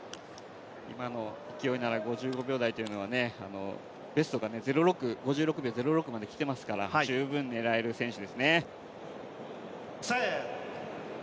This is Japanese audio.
今の勢いなら５５秒台、ベストが５６秒０６まで来ている選手ですから十分狙える選手ですね。